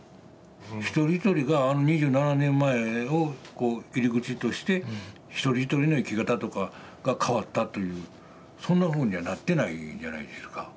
一人一人があの２７年前をこう入り口として一人一人の生き方とかが変わったというそんなふうにはなってないじゃないですか。